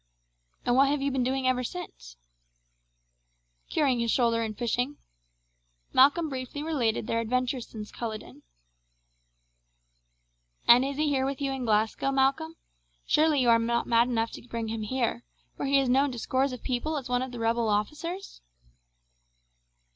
"And what have you been doing ever since?" "Curing his shoulder and fishing;" Malcolm briefly related their adventures since Culloden. "And is he with you here in Glasgow, Malcolm? Surely you are not mad enough to bring him here, where he is known to scores of people as one of the rebel officers!"